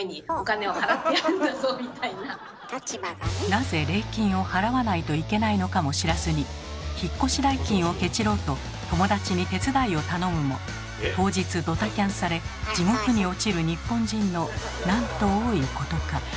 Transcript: なぜ礼金を払わないといけないのかも知らずに引っ越し代金をケチろうと友達に手伝いを頼むも当日ドタキャンされ地獄に落ちる日本人のなんと多いことか。